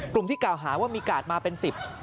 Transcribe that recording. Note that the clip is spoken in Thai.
ที่กล่าวหาว่ามีกาดมาเป็น๑๐